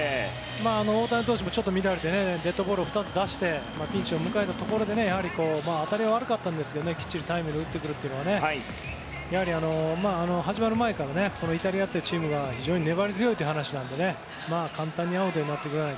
大谷投手も乱れてデッドボールを出してピンチを迎えたところで当たりは悪かったんですけどきっちりタイムリーを打ってくるというのは始まる前からイタリアというチームが非常に粘り強いという話なので簡単にアウトにはなってくれない。